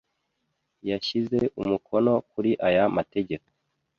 yashyize umukono kuri aya Mategeko